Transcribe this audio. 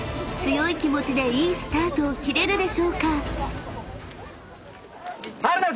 ［強い気持ちでいいスタートを切れるでしょうか？］